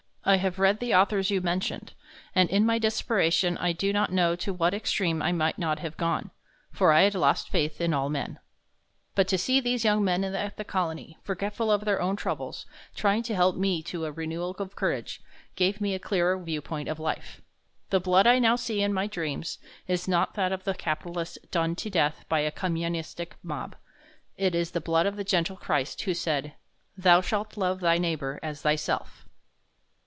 I have read the authors you mentioned, and in my desperation I do not know to what extreme I might not have gone, for I had lost faith in all men. "But to see these young men at the Colony, forgetful of their own troubles, trying to help me to a renewal of courage, gave me a clearer viewpoint of life the blood I see now in my dreams is not that of the capitalist done to death by a communistic mob it is the blood of the gentle Christ, who said: "'Thou shalt love thy neighbor as thyself.'"